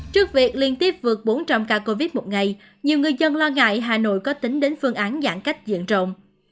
trước việc liên tiếp vượt bốn trăm linh ca covid một ngày nhiều người dân lo ngại hà nội có tính đến phương án giãn cách diện rộng